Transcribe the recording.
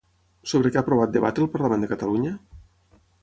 Sobre què ha aprovat debatre el Parlament de Catalunya?